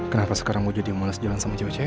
kenapa sekarang gue jadi males jalan sama cewek cewek ya